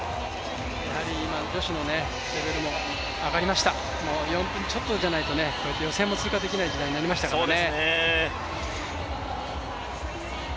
女子のレベルも上がりました、４分ちょっとじゃないと予選も通過できない時代になりましたからね。